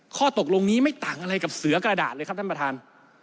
ข้อตกลงนี้ไม่ต่างอะไรกับเสือกระดาษเลยครับท่านประธาน